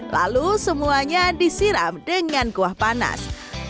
lalu semuanya disiram dengan kuah panas